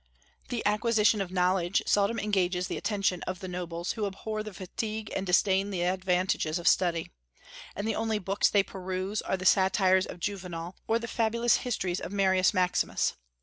The acquisition of knowledge seldom engages the attention of the nobles, who abhor the fatigue and disdain the advantages of study; and the only books they peruse are the 'Satires of Juvenal,' or the fabulous histories of Marius Maximus.